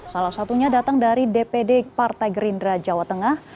salah satunya datang dari dpd partai gerindra jawa tengah